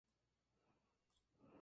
Ese es el caso de España.